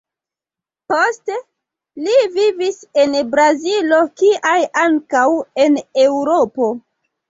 Poste, li vivis en Brazilo kiaj ankaŭ en Eŭropo.